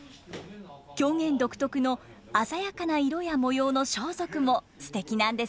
狂言独特の鮮やかな色や模様の装束もすてきなんですよね。